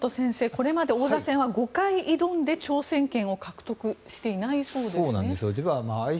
これまで王座戦は５回挑んで挑戦権を獲得していないそうですね。